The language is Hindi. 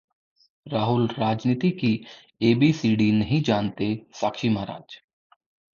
राहुल राजनीति की एबीसीडी नहीं जानते: साक्षी महाराज